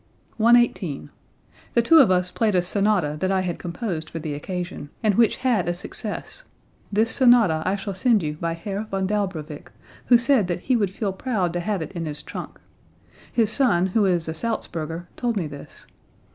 118. "The two of us played a sonata that I had composed for the occasion, and which had a success. This sonata I shall send you by Herr von Daubrawaick, who said that he would feel proud to have it in his trunk; his son, who is a Salzburger, told me this.